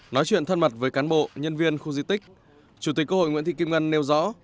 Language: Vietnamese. nói chuyện thân mật với cán bộ nhân viên khu di tích chủ tịch quốc hội nguyễn thị kim ngân nêu rõ